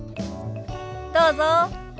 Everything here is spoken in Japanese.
どうぞ。